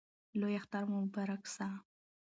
لوی اختر مو مبارک سه!